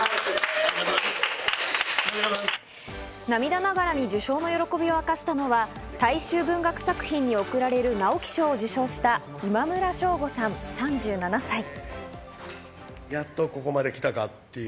涙ながらに受賞の喜びを明かしたのは大衆文学作品に贈られる直木賞を受賞した今村翔吾さん、３７歳。